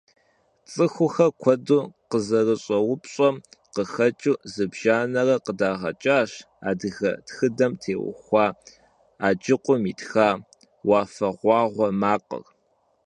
ЦӀыхухэр куэду къызэрыщӀэупщӀэм къыхэкӀыу зыбжанэрэ къыдагъэкӀащ адыгэ тхыдэм теухуауэ Аджыкъум итха «Уафэгъуагъуэ макъыр».